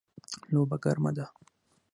لوبه ګرمه ده